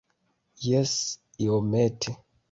Jes, iomete.